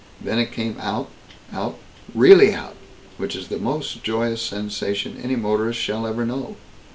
Then it came out out really out, which is the most joyous sensation any motorist shall ever know.